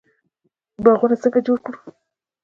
باغونه څنګه جوړ کړو؟